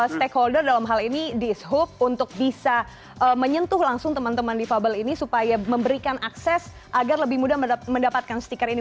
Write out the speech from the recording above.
stakeholder dalam hal ini dishub untuk bisa menyentuh langsung teman teman difabel ini supaya memberikan akses agar lebih mudah mendapatkan stiker ini